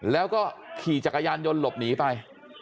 แล้วก็ขี่จักรยานยนต์หลบหนีไป